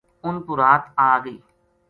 اُنھ پو رات آ گئی